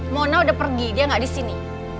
mona udah pergi dia gak disini